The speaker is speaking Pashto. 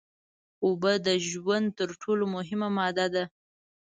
اوبه د ژوند تر ټول مهمه ماده ده